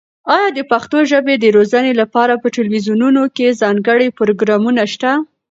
ایا د پښتو ژبې د روزنې لپاره په تلویزیونونو کې ځانګړي پروګرامونه شته؟